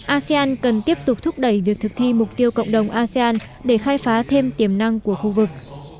asean cần tiếp tục thúc đẩy việc thực thi mục tiêu cộng đồng asean để khai phá thêm tiềm năng của khu vực